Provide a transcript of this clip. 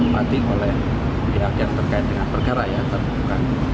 berarti oleh yang terkait dengan perkara yang terbuka